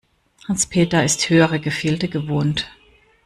Hans-Peter ist höhere Gefilde gewohnt.